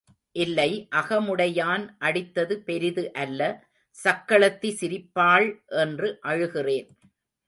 இல்லை, அகமுடையான் அடித்தது பெரிது அல்ல சக்களத்தி சிரிப்பாள் என்று அழுகிறேன்.